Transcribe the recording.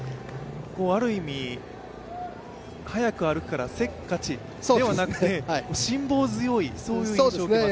ある意味、速く歩くからせっかちではなくて辛抱強いという印象を受けます。